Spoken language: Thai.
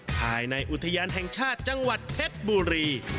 ภายในอุทยานแห่งชาติจังหวัดเพชรบุรี